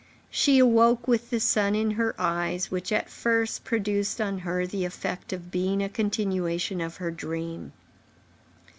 She awoke with the sun in her eyes, which, at first, produced on her the effect of being a continuation of her dream.